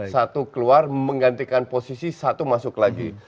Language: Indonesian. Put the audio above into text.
satu keluar menggantikan posisi satu masuk lagi